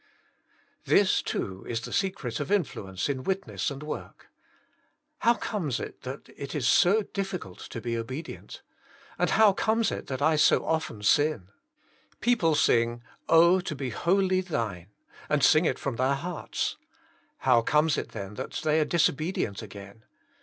This, too, is the secret of influence in witness and work. How comes it that it is so DffUcult to be obeMent, and how comes it that I so often sin ? People sing, Oh, to be wholly Thine, " and sing it from their hearts. How comes it then that they are disobedient again?